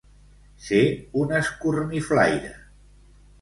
Ser un escorniflaire.